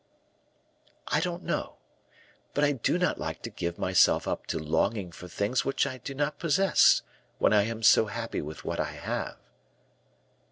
"I don't know; but I do not like to give myself up to longing for things which I do not possess, when I am so happy with what I have."